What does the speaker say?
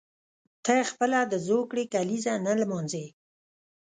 ته خپله د زوکړې کلیزه نه لمانځي.